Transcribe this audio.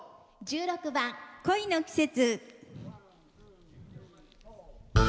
１６番「恋の季節」。